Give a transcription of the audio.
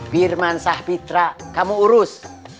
pirman sahpitra kamu urus